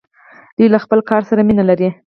دوی له خپل کار سره مینه لري.